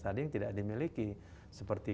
tadi yang tidak dimiliki seperti